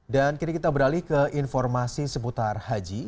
dan kini kita beralih ke informasi seputar haji